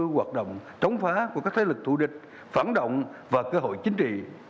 xây lực thủ địch phản động và cơ hội chính trị